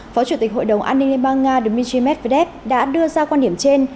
phó chủ tịch hội đồng an ninh liên bang nga dmitry medvedev đã đưa ra quan điểm trên